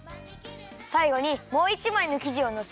さいごにもう１まいのきじをのせるよ。